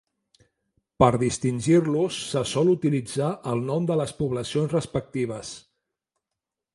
Per distingir-los se sol utilitzar el nom de les poblacions respectives.